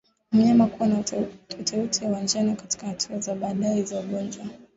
Mnyama kuwa na uteute wa njano katika hatua za baadaye za ugonjwa